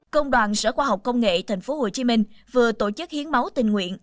công đoàn sở khoa học công nghệ tp hcm vừa tổ chức hiến máu tình nguyện